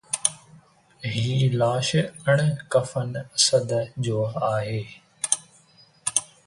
هي لاش اڻ کفن اسد جو آهي